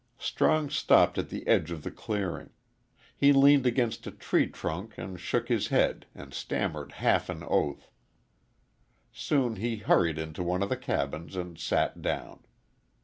Strong stopped at the edge of the clearing. He leaned against a tree trunk and shook his head and stammered half an oath. Soon he hurried into one of the cabins and sat down.